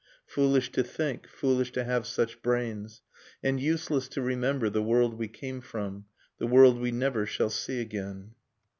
Foolish to think, foolish to have such brains, And useless to remember The world we came from, The world we never shall see again